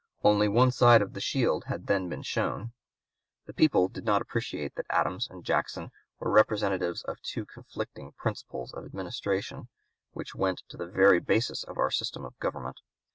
Only one side of the shield had then been shown. The people did not appreciate that Adams and Jackson were representatives of two conflicting principles of administration which went to the very basis of our system of government.